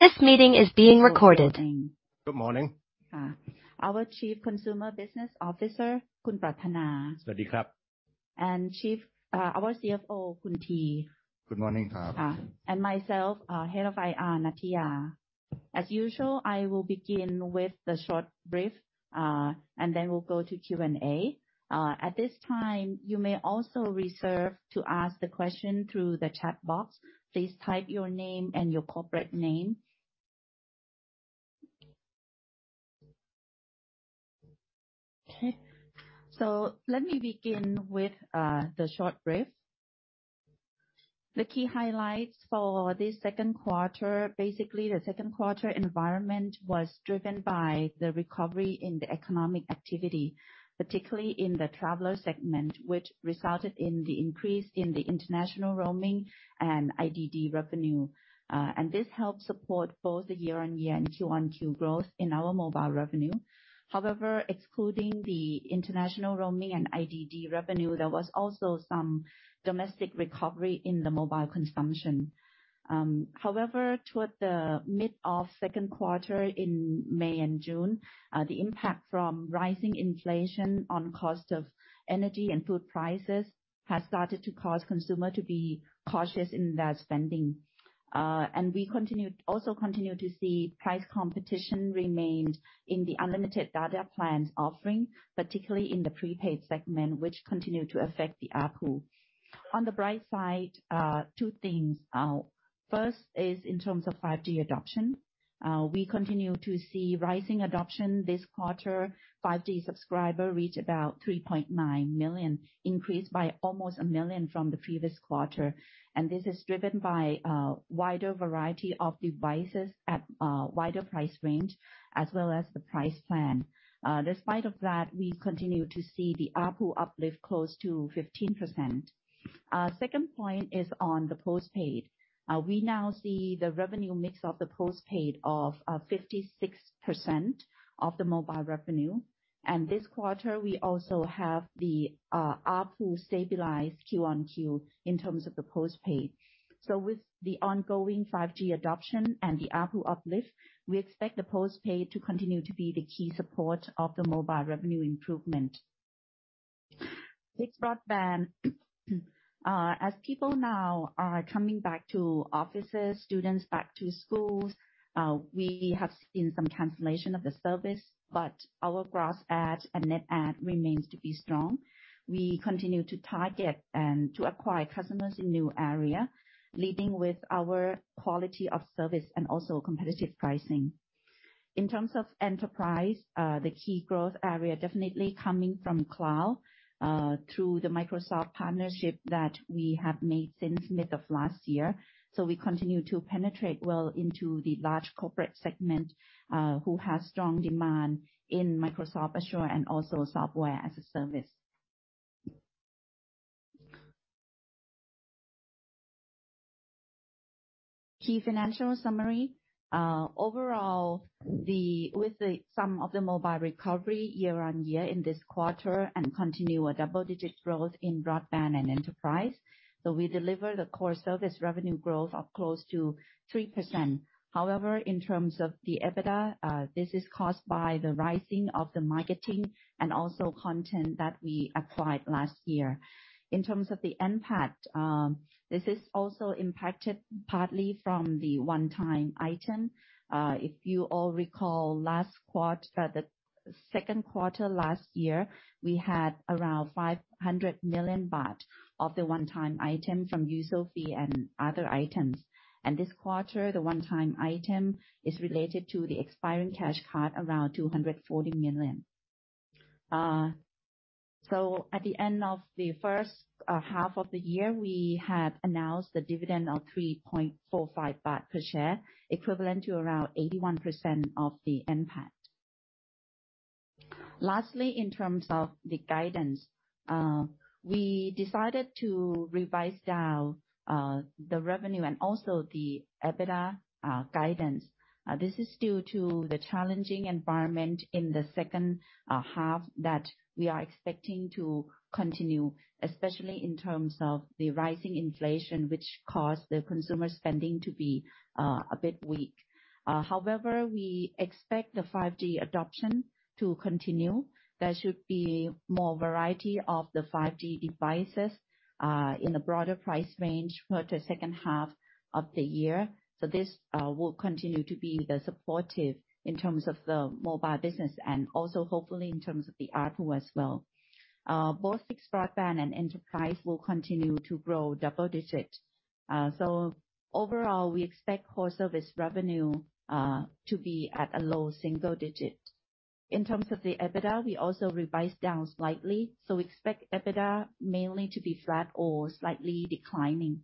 This meeting is being recorded. Good morning. Our Chief Consumer Business Officer, Khun Pratthana. Our CFO, Khun Tee. Good morning. Myself, Head of IR, Nattiya. As usual, I will begin with the short brief, and then we'll go to Q&A. At this time, you may also raise to ask the question through the chat box. Please type your name and your corporate name. Okay. Let me begin with the short brief. The key highlights for this second quarter, basically the second quarter environment was driven by the recovery in the economic activity, particularly in the traveler segment, which resulted in the increase in the international roaming and IDD revenue. This helped support both the year-over-year and quarter-over-quarter growth in our mobile revenue. However, excluding the international roaming and IDD revenue, there was also some domestic recovery in the mobile consumption. However, toward the mid of second quarter in May and June, the impact from rising inflation on cost of energy and food prices has started to cause consumer to be cautious in their spending. We also continued to see price competition remained in the unlimited data plans offering, particularly in the prepaid segment, which continued to affect the ARPU. On the bright side, two things. First is in terms of 5G adoption. We continue to see rising adoption this quarter. 5G subscriber reached about 3.9 million, increased by almost 1 million from the previous quarter. This is driven by wider variety of devices at a wider price range, as well as the price plan. Despite of that, we continue to see the ARPU uplift close to 15%. Second point is on the postpaid. We now see the revenue mix of the postpaid of 56% of the mobile revenue. This quarter, we also have the ARPU stabilize Q-on-Q in terms of the postpaid. With the ongoing 5G adoption and the ARPU uplift, we expect the postpaid to continue to be the key support of the mobile revenue improvement. Fixed broadband. As people now are coming back to offices, students back to schools, we have seen some cancellation of the service, but our gross add and net add remains to be strong. We continue to target and to acquire customers in new area, leading with our quality of service and also competitive pricing. In terms of enterprise, the key growth area definitely coming from cloud, through the Microsoft partnership that we have made since mid of last year. We continue to penetrate well into the large corporate segment, who has strong demand in Microsoft Azure and also Software as a Service. Key financial summary. Overall, some of the mobile recovery year-on-year in this quarter and continue a double-digit growth in broadband and enterprise. We deliver the core service revenue growth of close to 3%. However, in terms of the EBITDA, this is caused by the rising of the marketing and also content that we acquired last year. In terms of the NPAT, this is also impacted partly from the one-time item. If you all recall the second quarter last year, we had around 500 million baht of the one-time item from USO fee and other items. This quarter, the one-time item is related to the expiring cash card, around 240 million. At the end of the first half of the year, we had announced a dividend of 3.45 baht per share, equivalent to around 81% of the NPAT. Lastly, in terms of the guidance, we decided to revise down the revenue and also the EBITDA guidance. This is due to the challenging environment in the second half that we are expecting to continue, especially in terms of the rising inflation, which caused the consumer spending to be a bit weak. However, we expect the 5G adoption to continue. There should be more variety of the 5G devices in a broader price range for the second half of the year. This will continue to be the supportive in terms of the mobile business and also hopefully in terms of the ARPU as well. Both fixed broadband and enterprise will continue to grow double-digit. Overall, we expect core service revenue to be at a low single-digit. In terms of the EBITDA, we also revised down slightly. Expect EBITDA mainly to be flat or slightly declining.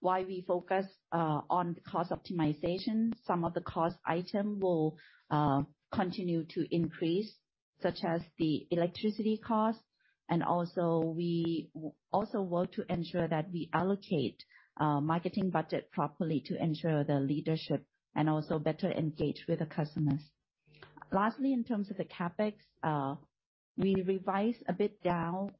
While we focus on the cost optimization, some of the cost item will continue to increase, such as the electricity cost. We also work to ensure that we allocate marketing budget properly to ensure the leadership and also better engage with the customers. Lastly, in terms of the CapEx, we revised a bit down,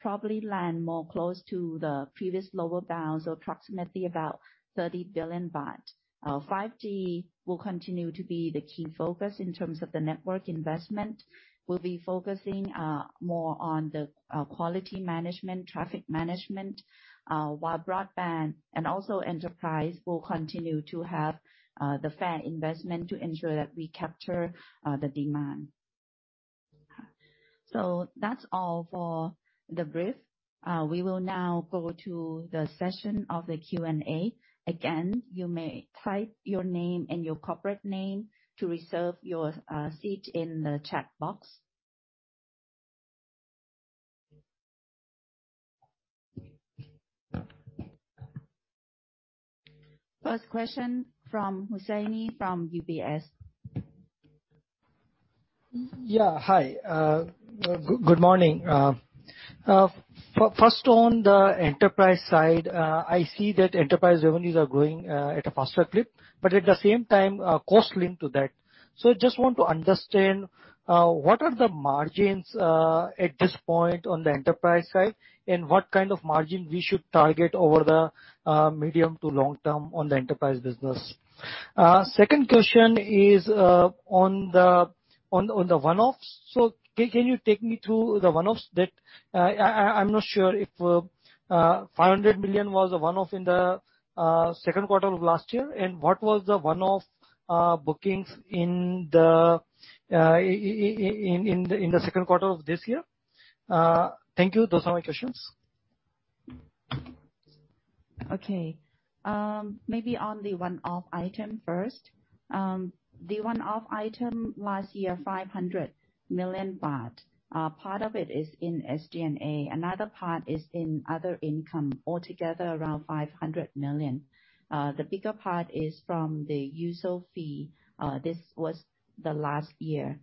probably land more close to the previous lower bounds or approximately about 30 billion baht. 5G will continue to be the key focus in terms of the network investment. We'll be focusing more on the quality management, traffic management, while broadband and also enterprise will continue to have the fair investment to ensure that we capture the demand. That's all for the brief. We will now go to the session of the Q&A. Again, you may type your name and your corporate name to reserve your seat in the chat box. First question from Hussaini from UBS. Yeah, hi. Good morning. First on the enterprise side, I see that enterprise revenues are growing at a faster clip, but at the same time, costs linked to that. Just want to understand what are the margins at this point on the enterprise side, and what kind of margin we should target over the medium to long term on the enterprise business. Second question is on the one-offs. Can you take me through the one-offs that. I'm not sure if 500 million was a one-off in the second quarter of last year, and what was the one-off bookings in the second quarter of this year? Thank you. Those are my questions. Okay. Maybe on the one-off item first. The one-off item last year, 500 million baht. Part of it is in SG&A, another part is in other income, altogether around 500 million. The bigger part is from the USO fee. This was the last year.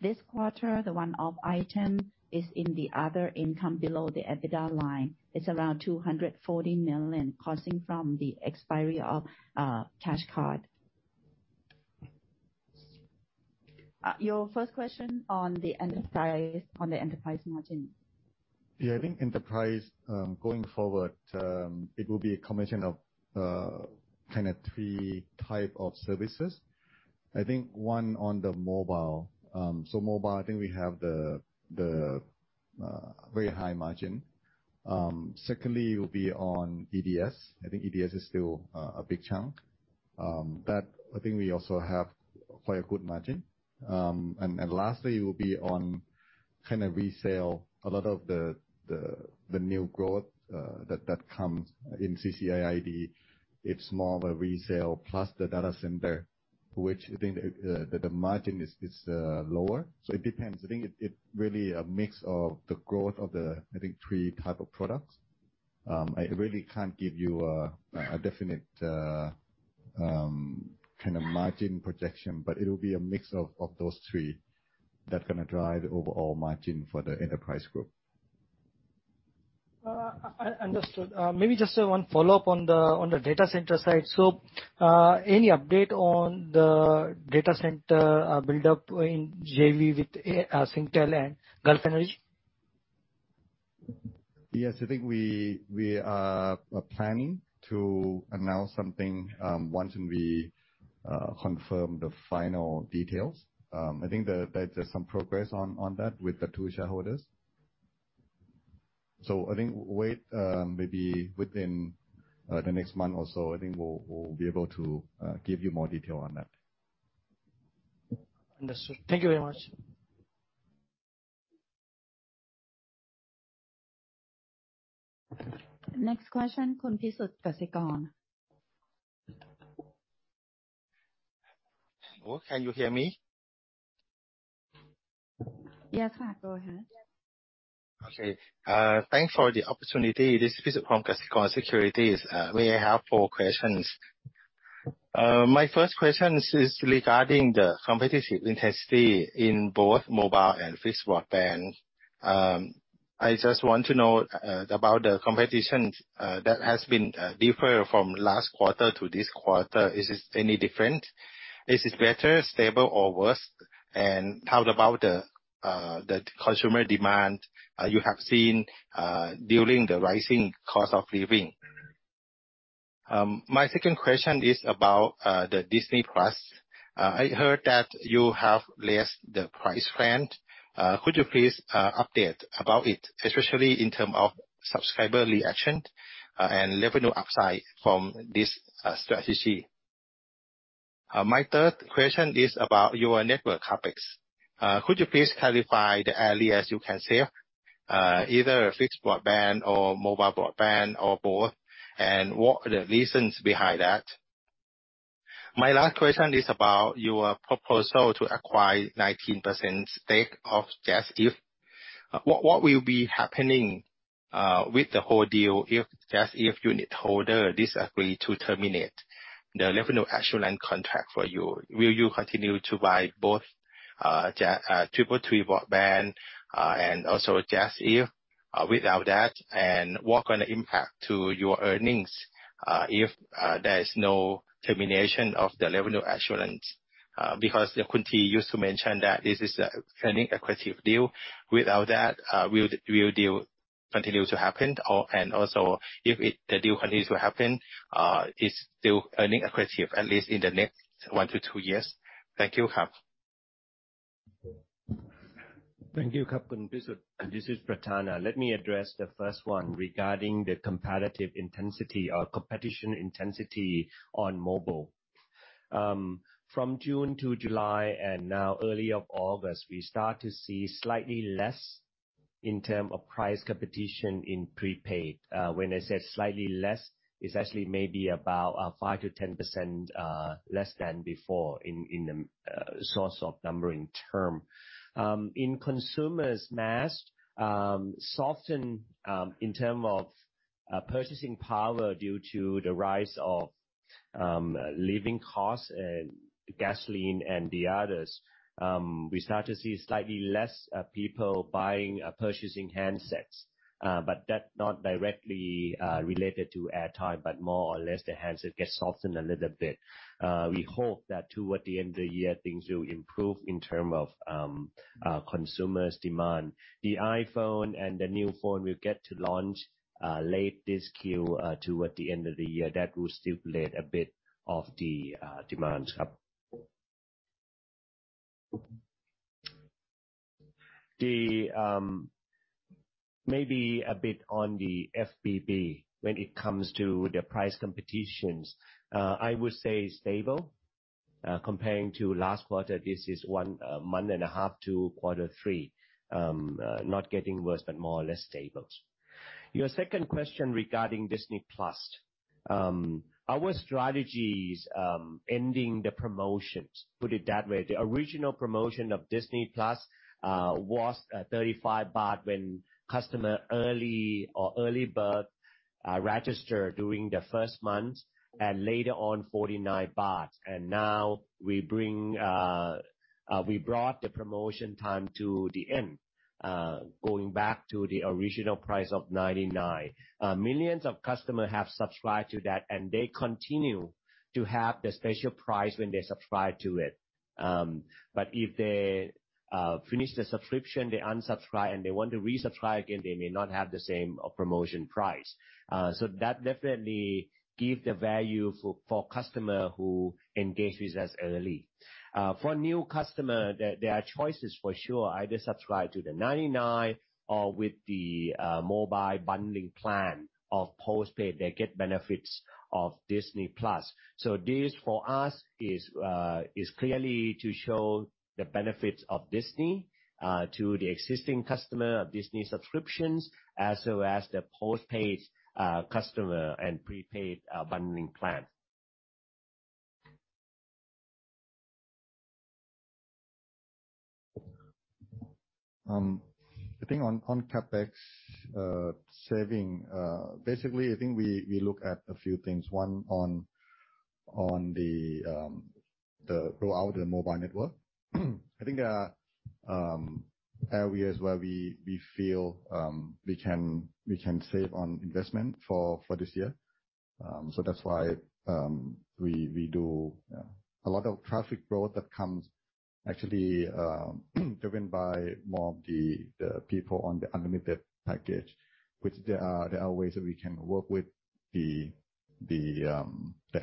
This quarter, the one-off item is in the other income below the EBITDA line. It's around 240 million, coming from the expiry of cash card. Your first question on the enterprise margin. Yeah. I think enterprise, going forward, it will be a combination of, kind of three type of services. I think one on the mobile. So mobile, I think we have the very high margin. Secondly, it will be on EDS. I think EDS is still a big chunk, but I think we also have quite a good margin. And lastly, it will be on kind of resale. A lot of the new growth that comes in ICT, it's more of a resale plus the data center, which I think the margin is lower. So it depends. I think it really a mix of the growth of the, I think, three type of products.I really can't give you a definite kind of margin projection, but it'll be a mix of those three that's gonna drive the overall margin for the enterprise group. Understood. Maybe just one follow-up on the data center side. Any update on the data center build-up in JV with Singtel and Gulf Energy? Yes. I think we are planning to announce something once we confirm the final details. I think that there's some progress on that with the two shareholders. I think maybe within the next month or so, I think we'll be able to give you more detail on that. Understood. Thank you very much. Next question. Oh, can you hear me? Yes, go ahead. Okay. Thanks for the opportunity. This is from Kasikorn Securities. May I have four questions? My first question is regarding the competitive intensity in both mobile and fixed broadband. I just want to know about the competition that has been different from last quarter to this quarter. Is it any different? Is it better, stable or worse? How about the consumer demand you have seen during the rising cost of living? My second question is about the Disney+. I heard that you have raised the price plan. Could you please update about it, especially in terms of subscriber reaction and revenue upside from this strategy? My third question is about your network CapEx. Could you please clarify the areas you can save, either fixed broadband or mobile broadband or both, and what are the reasons behind that? My last question is about your proposal to acquire 19% stake of JASIF. What will be happening with the whole deal if JASIF unitholder disagree to terminate the revenue assurance contract for you? Will you continue to buy both, JAS, TTTBroadband, and also JASIF? Without that, and what gonna impact to your earnings, if there is no termination of the revenue assurance? Because the Khun Tee used to mention that this is a earnings accretive deal. Without that, will deal continue to happen or and also if the deal continues to happen, it's still earnings accretive, at least in the next 1-2 years. Thank you. Khap. Thank you. Khap. This is Pratthana. Let me address the first one regarding the competitive intensity or competition intensity on mobile. From June to July and now early August, we start to see slightly less in terms of price competition in prepaid. When I say slightly less, it's actually maybe about 5%-10% less than before in the sorts of numbering terms. In consumer market softens in terms of purchasing power due to the rise of living costs and gasoline and the others, we start to see slightly less people purchasing handsets. But that's not directly related to airtime, but more or less the handset gets softened a little bit. We hope that toward the end of the year things will improve in terms of consumer demand. The iPhone and the new phone will get to launch late this Q toward the end of the year. That will stimulate a bit of the demands. Then maybe a bit on the FBB when it comes to the price competition. I would say stable comparing to last quarter. This is one month and a half to quarter three. Not getting worse but more or less stable. Your second question regarding Disney+. Our strategy is ending the promotions, put it that way. The original promotion of Disney+ was 35 baht when customer early or early bird register during the first month and later on 49 baht. Now we brought the promotion time to the end going back to the original price of 99. Millions of customer have subscribed to that, and they continue to have the special price when they subscribe to it. If they finish the subscription, they unsubscribe and they want to resubscribe again, they may not have the same promotion price. That definitely give the value for customer who engage with us early. For new customer, there are choices for sure. Either subscribe to the 99 or with the mobile bundling plan of postpaid, they get benefits of Disney+. This for us is clearly to show the benefits of Disney to the existing customer of Disney subscriptions, as well as the postpaid customer and prepaid bundling plan. I think on CapEx saving, basically, I think we look at a few things. One, on the rollout of the mobile network. I think there are areas where we feel we can save on investment for this year. That's why we do a lot of traffic growth that comes actually driven by more of the people on the unlimited package, which there are ways that we can work with the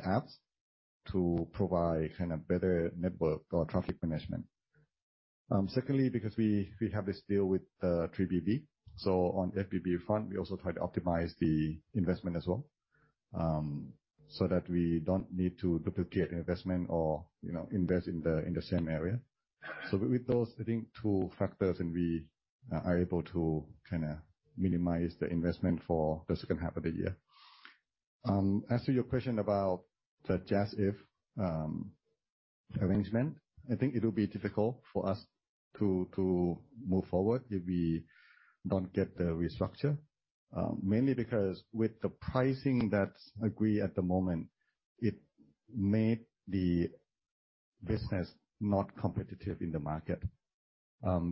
apps to provide kind of better network or traffic management. Secondly, because we have this deal with 3BB. On FBB front, we also try to optimize the investment as well, so that we don't need to duplicate investment or, you know, invest in the same area. With those, I think two factors and we are able to kinda minimize the investment for the second half of the year. As to your question about the JASIF arrangement, I think it will be difficult for us to move forward if we don't get the restructure, mainly because with the pricing that's agreed at the moment, it made the business not competitive in the market.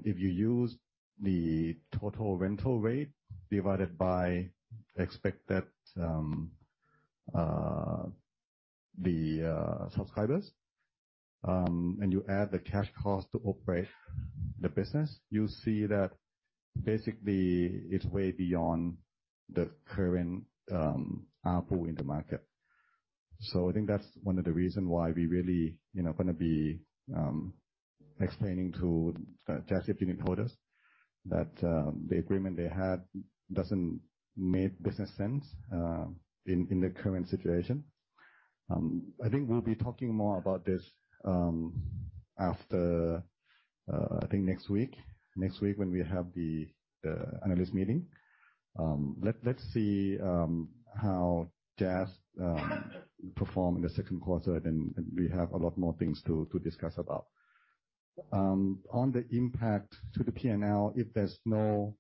If you use the total rental rate divided by expected subscribers, and you add the cash cost to operate the business, you see that basically it's way beyond the current ARPU in the market. I think that's one of the reason why we really, you know, gonna be explaining to JASIF unit holders that the agreement they had doesn't make business sense, in the current situation. I think we'll be talking more about this after, I think next week. Next week when we have the analyst meeting. Let's see how JAS perform in the second quarter, then we have a lot more things to discuss about. On the impact to the P&L, if there's no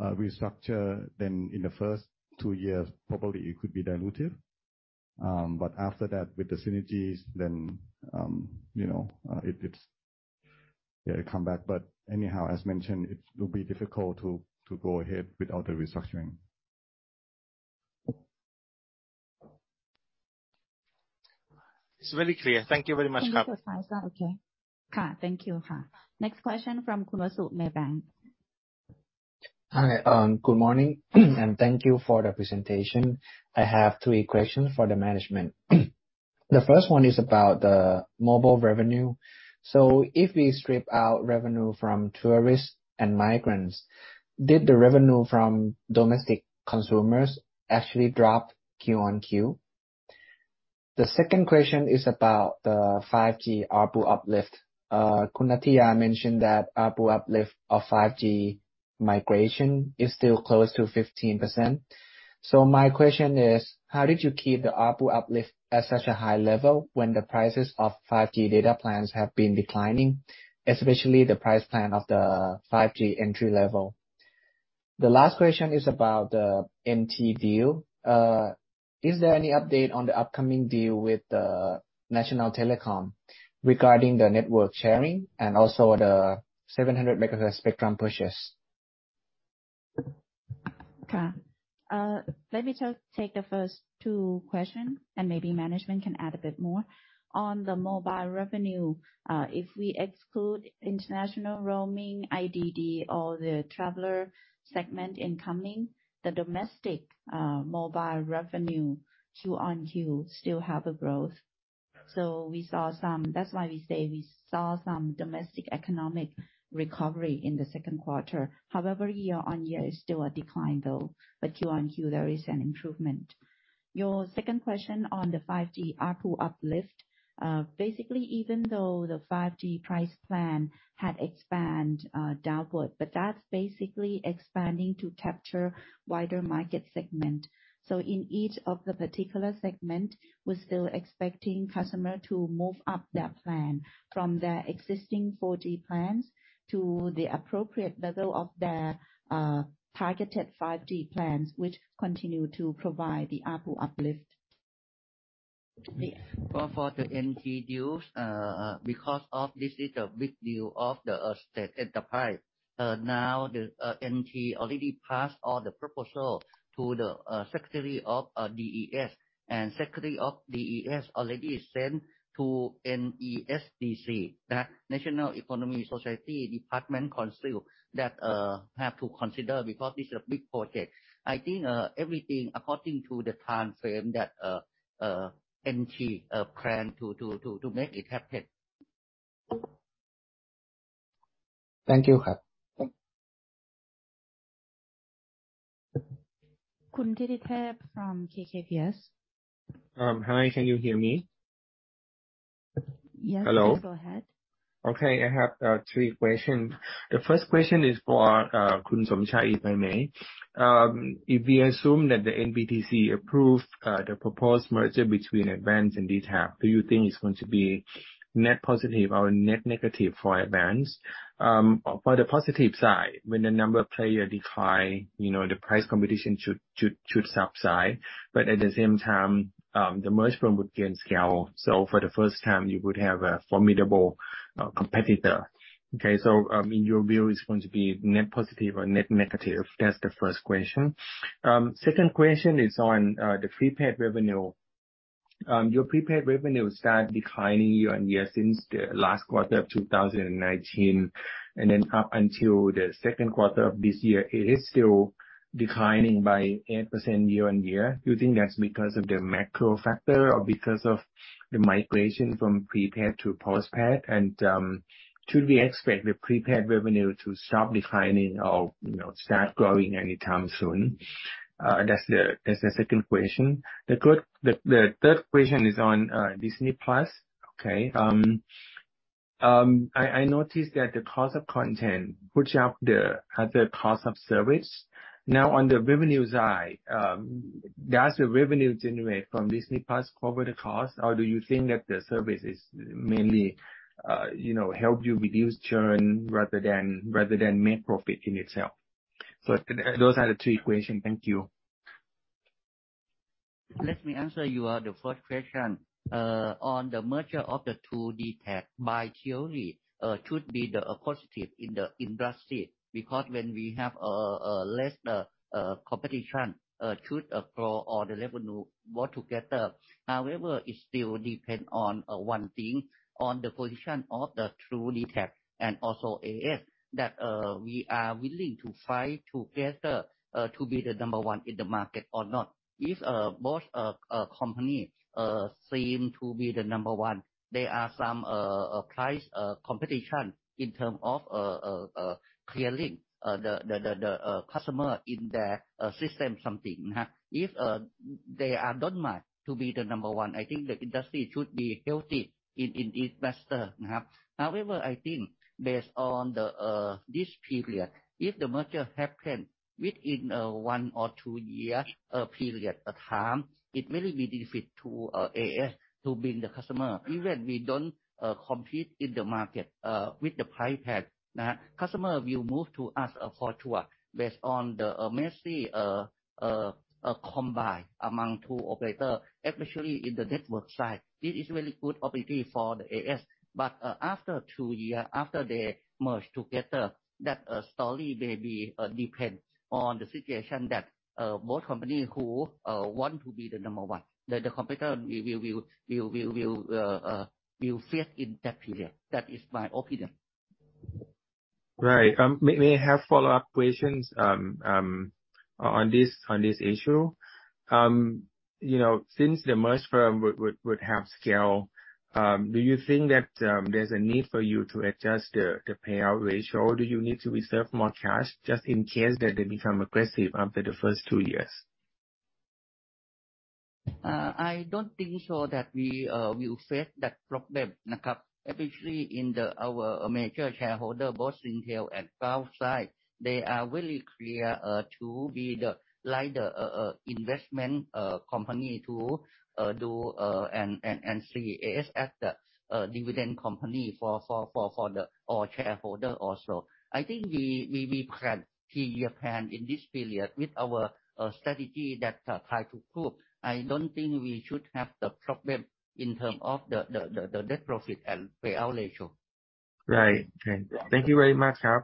restructure, then in the first two years, probably it could be dilutive. After that, with the synergies then, you know, it's, yeah, come back. Anyhow, as mentioned, it will be difficult to go ahead without the restructuring. It's very clear. Thank you very much. Okay. Thank you. Next question from Khun Wasu, Maybank. Hi. Good morning, and thank you for the presentation. I have three questions for the management. The first one is about the mobile revenue. If we strip out revenue from tourists and migrants, did the revenue from domestic consumers actually drop Q-on-Q? The second question is about the 5G ARPU uplift. Khun Nattiya mentioned that ARPU uplift of 5G migration is still close to 15%. My question is, how did you keep the ARPU uplift at such a high level when the prices of 5G data plans have been declining, especially the price plan of the 5G entry level? The last question is about the NT deal. Is there any update on the upcoming deal with National Telecom regarding the network sharing and also the 700 MHz spectrum purchase? Let me just take the first two question, and maybe management can add a bit more. On the mobile revenue, if we exclude international roaming, IDD, or the traveler segment incoming, the domestic mobile revenue Q-on-Q still have a growth. That's why we say we saw some domestic economic recovery in the second quarter. However, year-on-year is still a decline though, but Q-on-Q there is an improvement. Your second question on the 5G ARPU uplift. Basically, even though the 5G price plan had expanded downward, but that's basically expanding to capture wider market segment. So in each of the particular segment, we're still expecting customer to move up their plan from their existing 4G plans to the appropriate level of their targeted 5G plans, which continue to provide the ARPU uplift. For the NT deals, because this is a big deal of the state enterprise, now the NT already passed all the proposal to the Secretary of DES, and Secretary of DES already sent to NESDC, that National Economic and Social Development Council, that have to consider because this is a big project. I think everything according to the time frame that NT plan to make it happen. Thank you. From KKPS. Hi, can you hear me? Yes. Hello. Please go ahead. Okay. I have three questions. The first question is for Khun Somchai, if I may. If we assume that the NBTC approved the proposed merger between Advanced and DTAC, do you think it's going to be net positive or net negative for Advanced? For the positive side, when the number of player decline, you know, the price competition should subside. But at the same time, the merged firm would gain scale. So for the first time, you would have a formidable competitor. Okay. So in your view, it's going to be net positive or net negative? That's the first question. Second question is on the prepaid revenue. Your prepaid revenue start declining year-on-year since the last quarter of 2019, and then up until the second quarter of this year, it is still declining by 8% year-on-year. Do you think that's because of the macro factor or because of the migration from prepaid to postpaid? Should we expect the prepaid revenue to stop declining or, you know, start growing anytime soon? That's the second question. The third question is on Disney+. Okay. I noticed that the cost of content pushed up the cost of service. Now, on the revenue side, does the revenue generate from Disney+ cover the cost, or do you think that the service is mainly, you know, help you reduce churn rather than make profit in itself? Those are the three questions. Thank you. Let me answer you, the first question. On the merger of True and DTAC in theory, should be the positive in the industry, because when we have less competition, should grow all the revenue more together. However, it still depend on one thing, on the position of True, DTAC and also AIS that we are willing to fight together to be the number one in the market or not. If both company seem to be the number one, there are some price competition in term of acquiring the customer in their system something. If they are not much to be the number one, I think the industry should be healthy in this matter. However, I think based on this period, if the merger happen within one or two year period, it will be benefit to AIS to bring the customer. Even we don't compete in the market with the iPad. Customer will move to us for sure based on the messy combine among two operator, especially in the network side. This is very good opportunity for the AIS. After two year, after they merge together, that story may depend on the situation that both company who want to be the number one. The competitor will face in that period. That is my opinion. Right. May I have follow-up questions on this issue? You know, since the merged firm would have scale, do you think that there's a need for you to adjust the payout ratio? Do you need to reserve more cash just in case that they become aggressive after the first two years? I don't think so that we will face that problem. Especially our major shareholder, both Singtel and Temasek, they are really clear to be the lighter investment company to do and see AIS as the dividend company for their shareholders also. I think we plan three-year plan in this period with our strategy that try to prove. I don't think we should have the problem in terms of the net profit and payout ratio. Right. Okay. Thank you very much, Khap.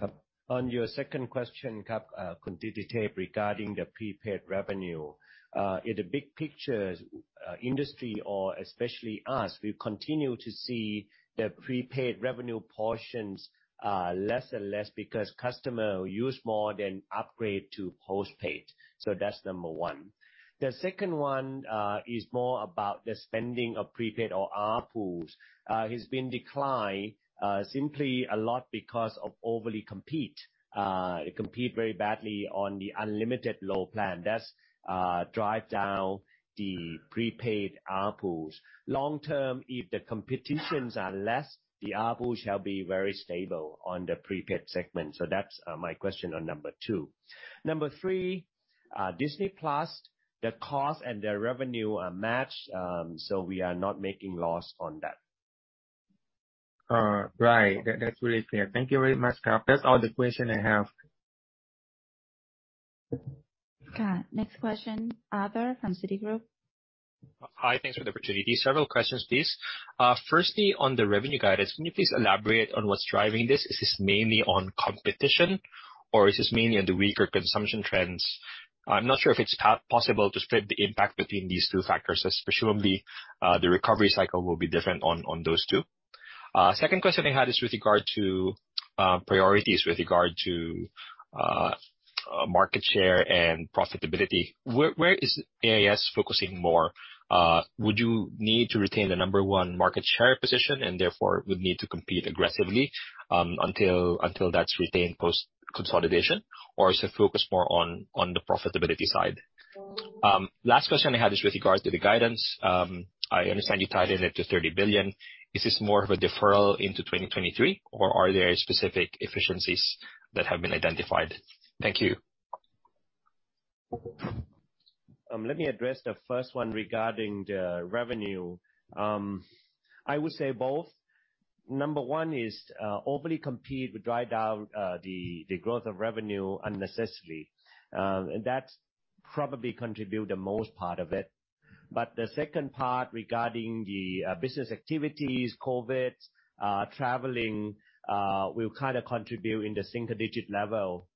Khap. On your second question, regarding the prepaid revenue. In the big picture, industry or especially us, we continue to see the prepaid revenue proportions less and less because customer will use more then upgrade to postpaid. That's number one. The second one is more about the spending of prepaid or ARPU. It's been declined simply a lot because of overly competitive. Compete very badly on the unlimited low plan. That's drive down the prepaid ARPUs. Long term, if the competitions are less, the ARPU shall be very stable on the prepaid segment. That's my question on number two. Number three, Disney+, the cost and the revenue are matched, so we are not making loss on that. Right. That's really clear. Thank you very much, khap. That's all the question I have. Next question, Arthur from Citigroup. Hi. Thanks for the opportunity. Several questions, please. Firstly, on the revenue guidance, can you please elaborate on what's driving this? Is this mainly on competition or is this mainly on the weaker consumption trends? I'm not sure if it's possible to split the impact between these two factors, as presumably, the recovery cycle will be different on those two. Second question I had is with regard to priorities with regard to market share and profitability. Where is AIS focusing more? Would you need to retain the number one market share position and therefore would need to compete aggressively until that's retained post-consolidation? Or is the focus more on the profitability side? Last question I had is with regards to the guidance. I understand you tied in at 30 billion. Is this more of a deferral into 2023 or are there specific efficiencies that have been identified? Thank you. Let me address the first one regarding the revenue. I would say both. Number one is over competition will drive down the growth of revenue unnecessarily. That probably contribute the most part of it. The second part regarding the business activities, COVID, traveling, will kind of contribute in the single digit level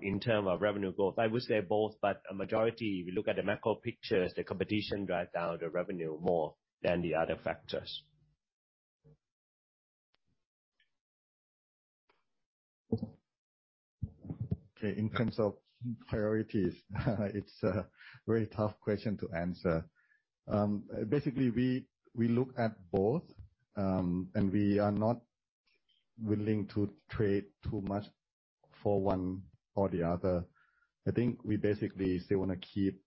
in terms of revenue growth. I would say both, but a majority, if you look at the macro pictures, the competition drive down the revenue more than the other factors. Okay. In terms of priorities, it's a very tough question to answer. Basically, we look at both, and we are not willing to trade too much for one or the other. I think we basically still wanna keep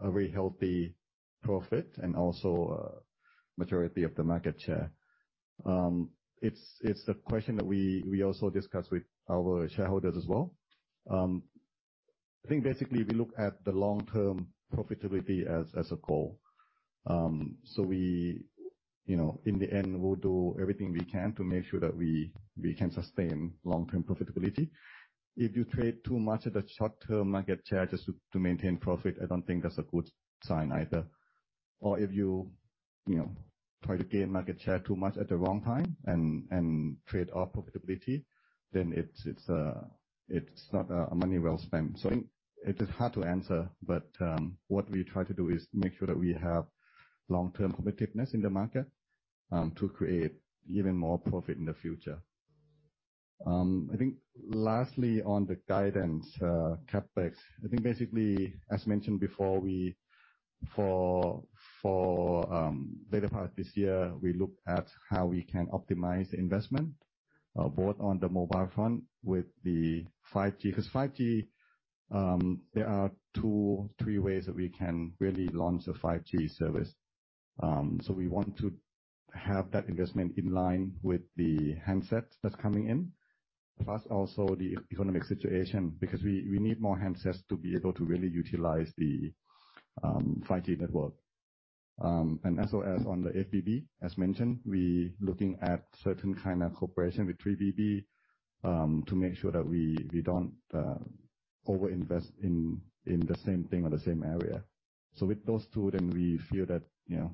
a very healthy profit and also, majority of the market share. It's a question that we also discuss with our shareholders as well. I think basically we look at the long-term profitability as a goal. We, you know, in the end, we'll do everything we can to make sure that we can sustain long-term profitability. If you trade too much of the short-term market share just to maintain profit, I don't think that's a good sign either. If you know, try to gain market share too much at the wrong time and trade off profitability, then it's not money well spent. I think it is hard to answer, but what we try to do is make sure that we have long-term competitiveness in the market to create even more profit in the future. I think lastly on the guidance, CapEx, I think basically as mentioned before, for later part this year, we look at how we can optimize the investment, both on the mobile front with the 5G. 'Cause 5G, there are two, three ways that we can really launch a 5G service. We want to have that investment in line with the handsets that's coming in, plus also the economic situation, because we need more handsets to be able to really utilize the 5G network. As well as on the FBB, as mentioned, we looking at certain kind of cooperation with 3BB, to make sure that we don't over-invest in the same thing or the same area. With those two then we feel that, you know,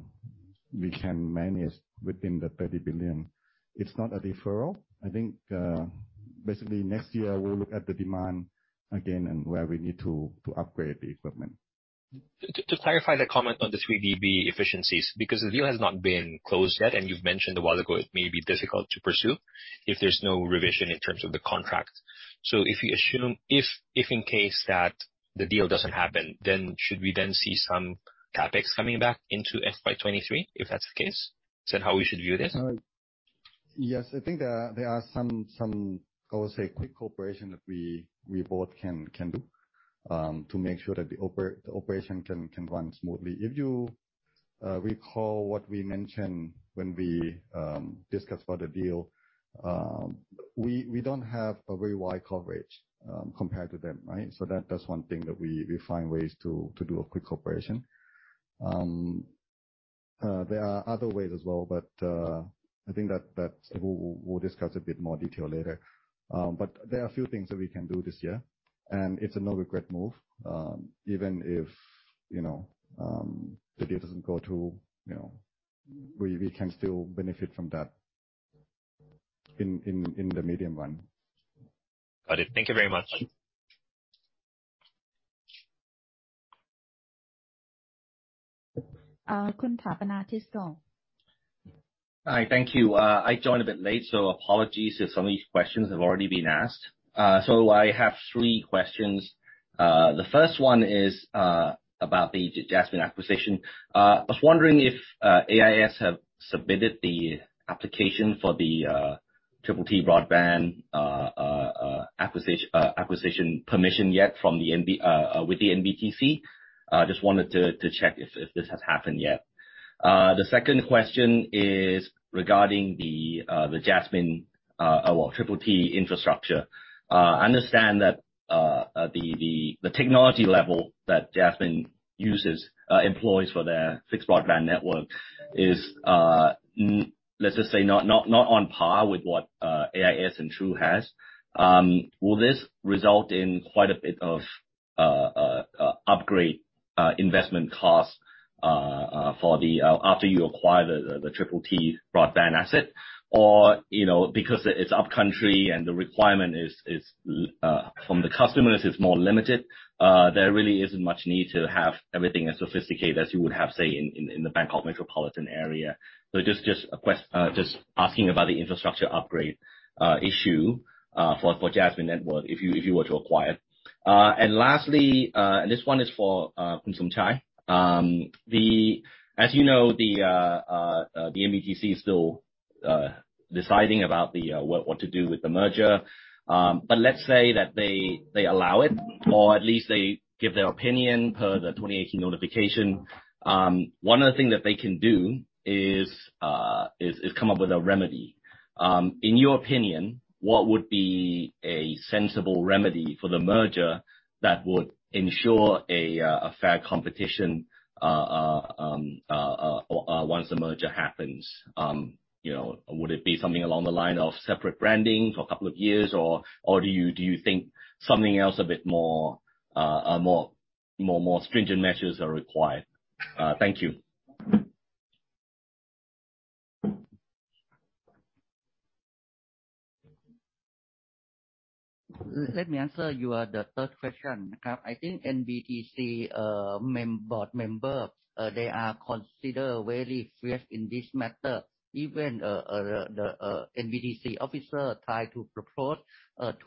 we can manage within the 30 billion. It's not a deferral. I think basically next year we'll look at the demand again and where we need to upgrade the equipment. To clarify the comment on the 3BB efficiencies, because the deal has not been closed yet, and you've mentioned a while ago it may be difficult to pursue if there's no revision in terms of the contract. If you assume, in case that the deal doesn't happen, should we see some CapEx coming back into FY 2023, if that's the case? Is that how we should view this? Yes. I think there are some, I would say, quick cooperation that we both can do to make sure that the operation can run smoothly. If you recall what we mentioned when we discussed about the deal, we don't have a very wide coverage compared to them, right? That's one thing that we find ways to do a quick cooperation. There are other ways as well, but I think that we'll discuss a bit more detail later. There are a few things that we can do this year, and it's a no regret move. Even if you know the deal doesn't go through, you know, we can still benefit from that in the medium run. Got it. Thank you very much. Hi. Thank you. I joined a bit late, so apologies if some of these questions have already been asked. So I have three questions. The first one is about the Jasmine acquisition. I was wondering if AIS have submitted the application for the TTTBroadband acquisition permission yet from the NB with the NBTC. Just wanted to check if this has happened yet. The second question is regarding the Jasmine or TTT infrastructure. I understand that the technology level that Jasmine uses employs for their fixed broadband network is let's just say not on par with what AIS and True has. Will this result in quite a bit of upgrade investment costs after you acquire the TTTBroadband asset? Or, you know, because it's upcountry and the requirement is from the customers is more limited, there really isn't much need to have everything as sophisticated as you would have, say, in the Bangkok metropolitan area. Just asking about the infrastructure upgrade issue for Jasmine network if you were to acquire it. Lastly, this one is for Khun Somchai. As you know, the NBTC is still deciding about what to do with the merger. Let's say that they allow it, or at least they give their opinion per the 2018 notification. One of the things that they can do is come up with a remedy. In your opinion, what would be a sensible remedy for the merger that would ensure a fair competition once the merger happens? You know, would it be something along the line of separate branding for a couple of years, or do you think something else a bit more stringent measures are required? Thank you. Let me answer your, the third question. I think NBTC board member they are considered very fierce in this matter. Even the NBTC officer try to propose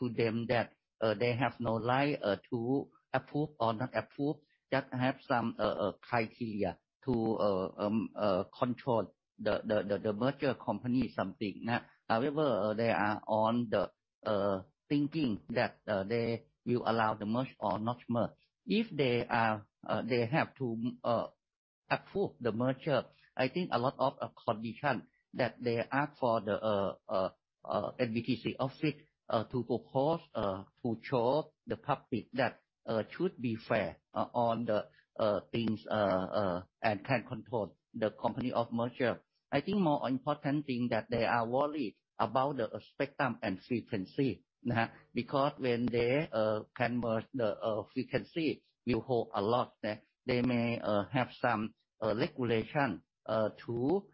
to them that they have no right to approve or not approve, just have some criteria to control the merger company or something. However, they are on the thinking that they will allow the merge or not merge. If they are they have to approve the merger, I think a lot of condition that they ask for the NBTC office to propose to show the public that should be fair on the things and can control the company of merger. I think more important thing that they are worried about the spectrum and frequency. Because when they can merge the frequency will hold a lot. They may have some regulation to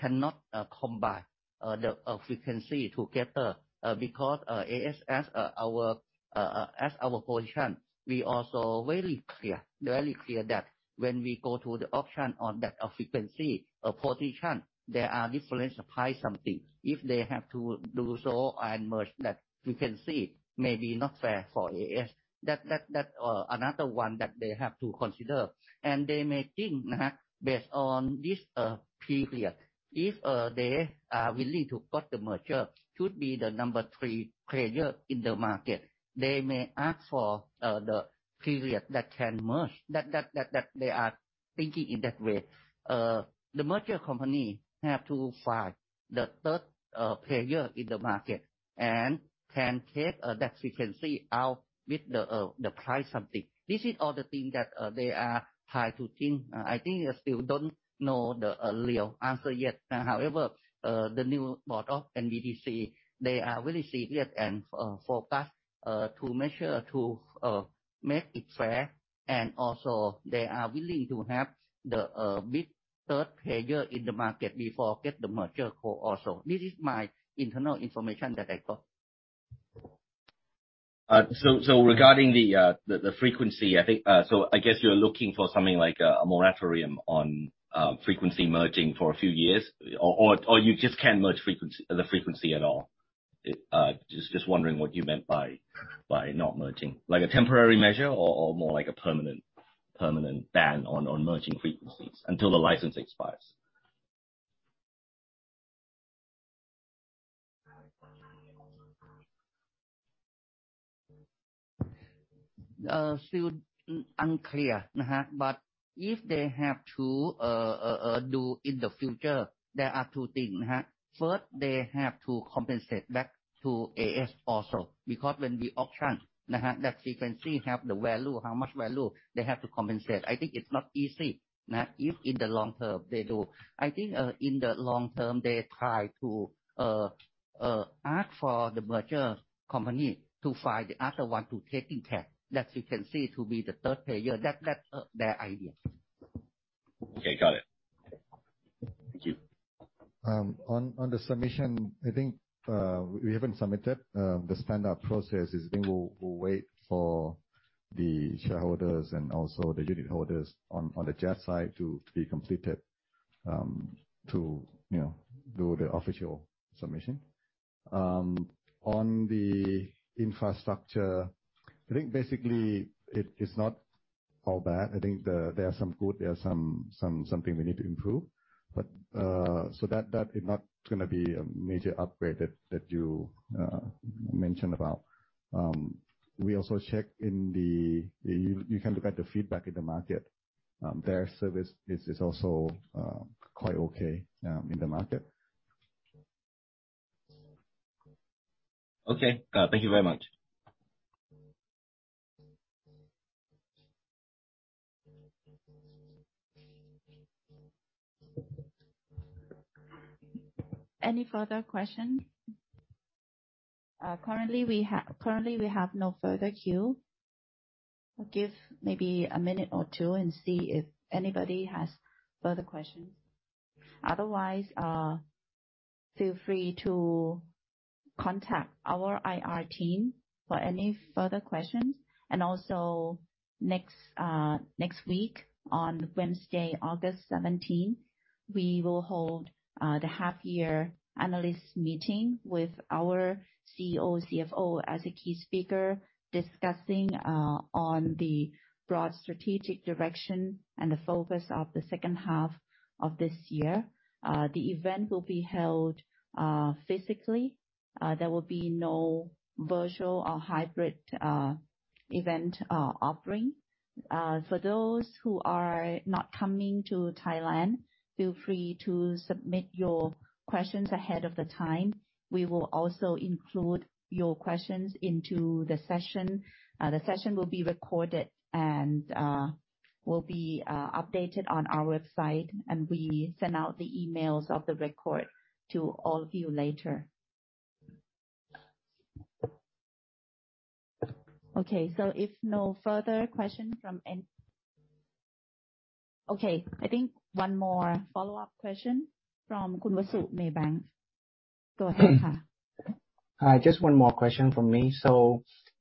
cannot combine the frequency together. Because AIS, as our position, we also very clear that when we go to the auction on that frequency or position, there are different supply, something. If they have to do so and merge that frequency, it may be not fair for AIS. That another one that they have to consider. They may think based on this period, if they are willing to put the merger to be the number three player in the market, they may ask for the period that can merge. That they are thinking in that way. The merger company have to find the third player in the market and can take that frequency out with the price something. This is all the things that they are trying to think. I think I still don't know the real answer yet. However, the new board of NBTC, they are very serious and focused to make sure to make it fair. They are willing to have the big third player in the market before get the merger go also. This is my internal information that I got. Regarding the frequency, I think, so I guess you're looking for something like a moratorium on frequency merging for a few years or you just can't merge the frequency at all? Just wondering what you meant by not merging. Like a temporary measure or more like a permanent ban on merging frequencies until the license expires. Still unclear. If they have to do in the future, there are two things. First, they have to compensate back to AIS also, because when we auction, that frequency have the value. How much value they have to compensate? I think it's not easy, if in the long term they do. I think, in the long term, they try to ask for the merger company to find the other one to take impact that frequency to be the third player. That's their idea. Okay. Got it. Thank you. On the submission, I think we haven't submitted. The stand up process is, I think we'll wait for the shareholders and also the unitholders on the JAS side to be completed, you know, to do the official submission. On the infrastructure, I think basically it is not all bad. I think there are some good, there are some something we need to improve. That is not gonna be a major upgrade that you mentioned about. We also check in the. You can look at the feedback in the market. Their service is also quite okay in the market. Okay. Got it. Thank you very much. Any further question? Currently we have no further queue. I'll give maybe a minute or two and see if anybody has further questions. Otherwise, feel free to contact our IR team for any further questions. Next week, on Wednesday, August 17th, we will hold the half year analyst meeting with our CEO, CFO as a key speaker discussing on the broad strategic direction and the focus of the second half of this year. The event will be held physically. There will be no virtual or hybrid event offering. For those who are not coming to Thailand, feel free to submit your questions ahead of the time. We will also include your questions into the session. The session will be recorded and will be updated on our website, and we send out the emails of the record to all of you later. Okay, if no further questions. Okay, I think one more follow-up question from Wasu Mattanapotchanart, Maybank. Hi. Just one more question from me.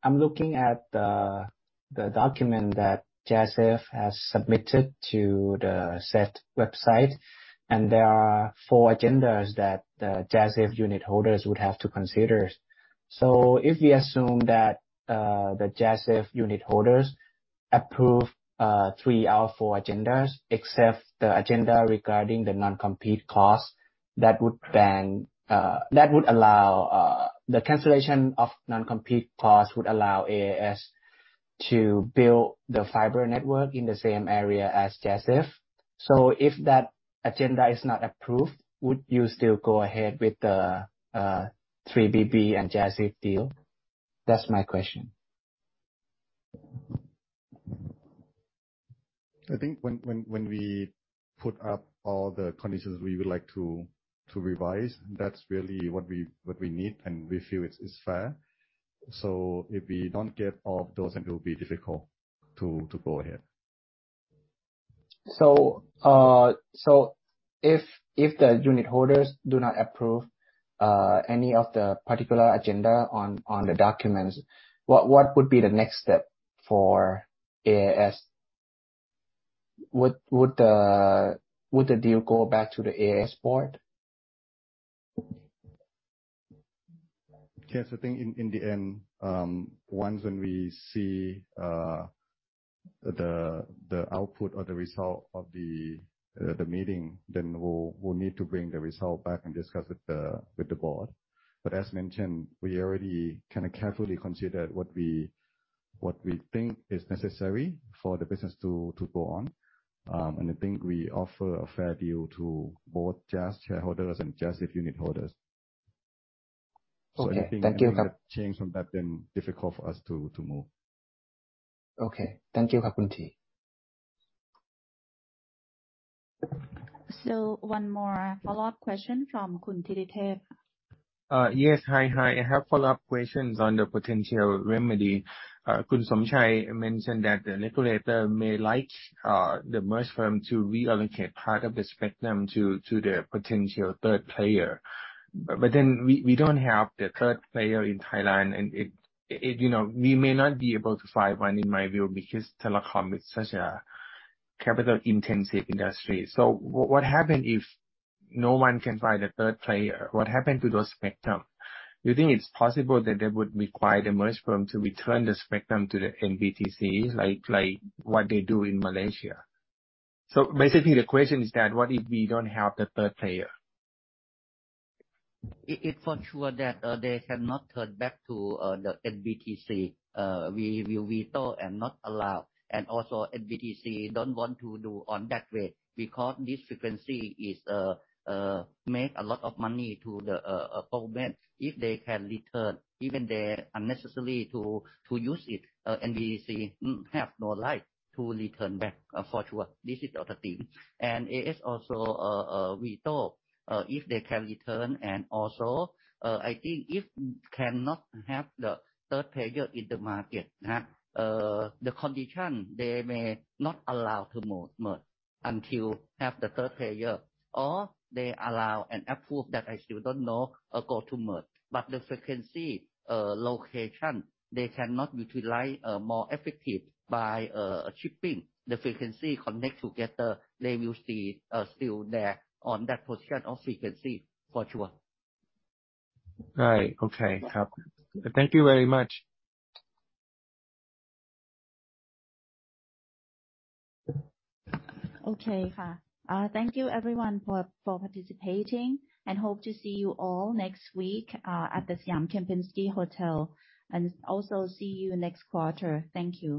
I'm looking at the document that JASIF has submitted to the SET website, and there are four agendas that the JASIF unitholders would have to consider. If we assume that the JASIF unitholders approve three out of four agendas, except the agenda regarding the non-compete clause that would allow the cancellation of non-compete clause would allow AIS to build the fiber network in the same area as JASIF. If that agenda is not approved, would you still go ahead with the 3BB and JASIF deal? That's my question. I think when we put up all the conditions we would like to revise, that's really what we need, and we feel it's fair. If we don't get all of those, then it will be difficult to go ahead. If the unitholders do not approve any of the particular agenda on the documents, what would be the next step for AIS? Would the deal go back to the AIS board? Yes. I think in the end, once we see the output or the result of the meeting, then we'll need to bring the result back and discuss it with the board. As mentioned, we already kind of carefully considered what we think is necessary for the business to go on. I think we offer a fair deal to both JAS shareholders and JASIF unitholders. Okay. Thank you. Any change from that, then difficult for us to move. Okay. Thank you, Khun Tee. One more follow-up question from Khun Thirithip. Yes. Hi. Hi. I have follow-up questions on the potential remedy. Khun Somchai mentioned that the regulator may like the merged firm to reallocate part of the spectrum to the potential third player. Then we don't have the third player in Thailand, and it you know we may not be able to find one in my view because telecom is such a capital-intensive industry. What happen if no one can find a third player? What happen to those spectrum? Do you think it's possible that they would require the merged firm to return the spectrum to the NBTC, like what they do in Malaysia? Basically, the question is that what if we don't have the third player? It is for sure that they cannot turn back to the NBTC. We will veto and not allow. NBTC don't want to do in that way because this frequency makes a lot of money to the government if they can return, even they're unnecessary to use it. NBTC have no right to return back, for sure. This is the team. AIS also veto if they can return. I think if cannot have the third player in the market, the condition, they may not allow to merge until have the third player, or they allow and approve that I still don't know, go to merge. The frequency location they cannot utilize more effectively by shifting the frequency connect together. They will see, still there on that position of frequency for sure. Right. Okay. Khap. Thank you very much. Okay, ka. Thank you everyone for participating, and hope to see you all next week at the Siam Kempinski Hotel. Also see you next quarter. Thank you.